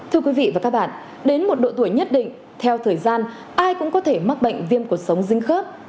thưa quý vị và các bạn đến một độ tuổi nhất định theo thời gian ai cũng có thể mắc bệnh viêm cột sống dính khớp